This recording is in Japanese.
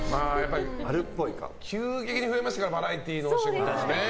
急激に増えましたからバラエティーのお仕事ね。